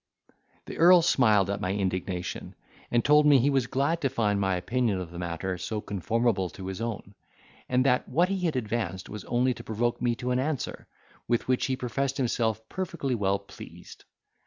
The earl smiled at my indignation, and told me he was glad to find my opinion of the matter so conformable to his own, and that what he had advanced was only to provoke me to an answer, with which he professed himself perfectly well pleased.